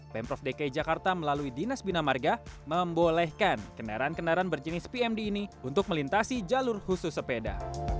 pemprov dki jakarta melalui dinas bina marga membolehkan kendaraan kendaraan berjenis pmd ini untuk melintasi jalur khusus sepeda